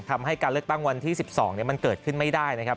ทำให้การเลือกตั้งวันที่๑๒มันเกิดขึ้นไม่ได้นะครับ